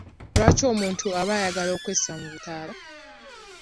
Lwaki omuntu aba ayagala okwessa mu butaala?